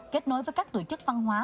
kết nối với các tổ chức văn hóa